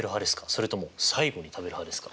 それとも最後に食べる派ですか？